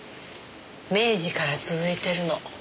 明治から続いてるの。